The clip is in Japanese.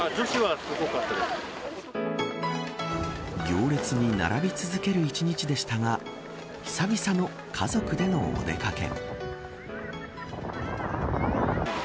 行列に並び続ける１日でしたが久々の家族でのお出掛け。